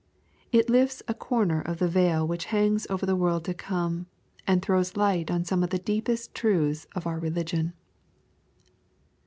It lifts a corner of the veil which hangs over the world to come, and throws light oh some of the deepest truths of our religion.